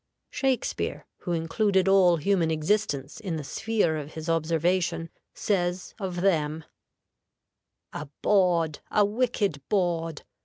Shakspeare, who included all human existence in the sphere of his observation, says of them, "A bawd! a wicked bawd!